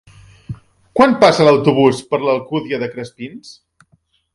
Quan passa l'autobús per l'Alcúdia de Crespins?